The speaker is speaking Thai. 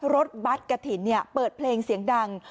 รถบัตรกระถิ่นเปิดเพลงเสียงดัง